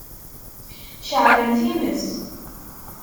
Ceɛlen times.